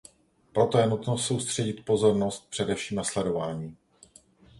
Proto je nutno soustředit pozornost především na sledování.